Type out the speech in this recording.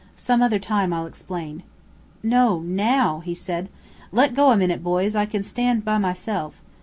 Some other time I'll explain." "No now!" he said. "Let go a minute, boys. I can stand by myself.